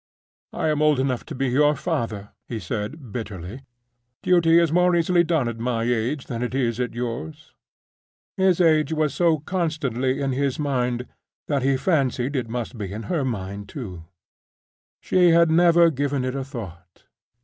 "I am old enough to be your father," he said, bitterly. "Duty is more easily done at my age than it is at yours." His age was so constantly in his mind now that he fancied it must be in her mind too. She had never given it a thought.